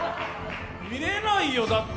見られないよ、だって。